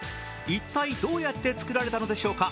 一体どうやって作られたのでしょうか。